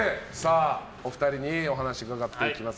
お二人にお話を伺っていきます。